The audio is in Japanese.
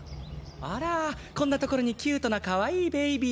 あらこんなところにキュートなかわいいベイビーたちが。